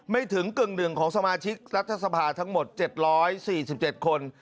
ไม่ถึงกึ่งหนึ่งของสมาชิกรัฐสภาทั้งหมด๗๔๗คน